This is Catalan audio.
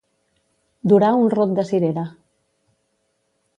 Durar un rot de cirera.